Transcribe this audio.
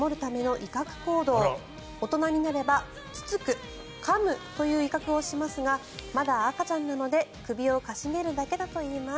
威嚇行動大人になればつつく、かむという威嚇をしますがまだ赤ちゃんなので首を傾げるだけだといいます。